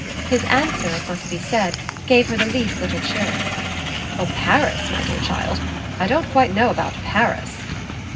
His answer, it must be said, gave her the least little chill. "Oh Paris, my dear child I don't quite know about Paris!"